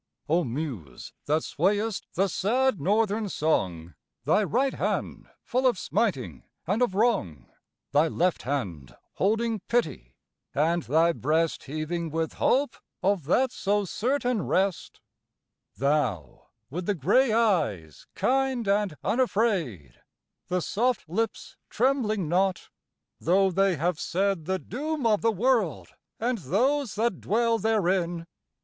O muse that swayest the sad Northern Song, Thy right hand full of smiting & of wrong, Thy left hand holding pity; & thy breast Heaving with hope of that so certain rest: Thou, with the grey eyes kind and unafraid, The soft lips trembling not, though they have said The doom of the World and those that dwell therein.